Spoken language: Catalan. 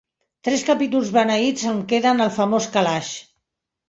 Tres capítols beneïts em queden al famós calaix.